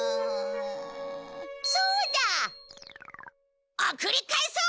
そうだ！送り返そう！